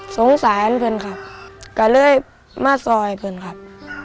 สงสารเพื่อนครับก็เลยมาซอยขึ้นครับ